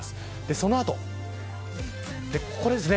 その後、ここですね。